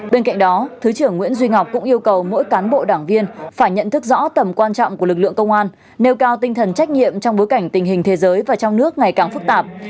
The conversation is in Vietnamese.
bên cạnh đó thứ trưởng nguyễn duy ngọc cũng yêu cầu mỗi cán bộ đảng viên phải nhận thức rõ tầm quan trọng của lực lượng công an nêu cao tinh thần trách nhiệm trong bối cảnh tình hình thế giới và trong nước ngày càng phức tạp